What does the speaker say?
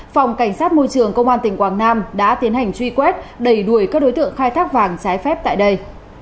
phòng cảnh sát môi trường công an tỉnh quảng nam đã tiến hành truy quét đẩy đuổi các đối tượng khai thác vàng trái phép tại đây